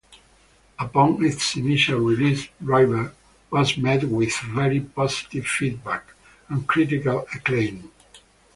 Upon its initial release, "Driver" was met with very positive feedback and critical acclaim.